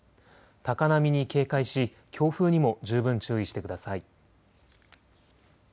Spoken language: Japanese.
高波に警戒し強風にも十分注意してください。